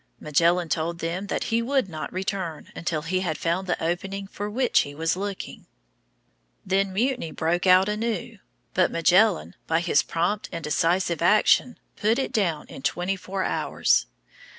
Magellan told them that he would not return until he had found the opening for which he was looking. Then the mutiny broke out anew. But Magellan by his prompt and decisive action put it down in twenty four hours.